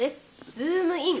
ズームイン！！